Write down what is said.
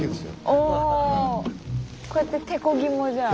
こうやって手こぎもじゃあ。